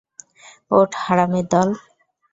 ওঠ, হারামীর দল!